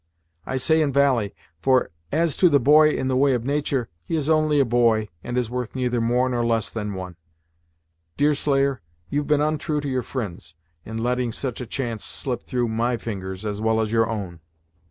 I say in valie, for as to the boy in the way of natur', he is only a boy, and is worth neither more nor less than one. Deerslayer, you've been ontrue to your fri'nds in letting such a chance slip through my fingers well as your own."